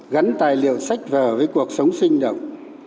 gắn tài liệu sách vở với cuộc sống sinh động